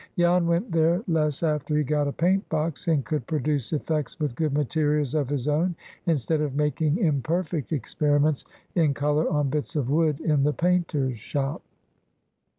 Jan went there less after he got a paint box, and could produce effects with good materials of his own, instead of making imperfect experiments in color on bits of wood in the painter's shop.